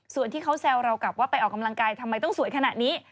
ส่วนที่เขาแซวเรากลับว่าไปออกกำลังกายทำไมต้องสวยขนาดนี้